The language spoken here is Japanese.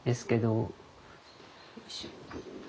よいしょ。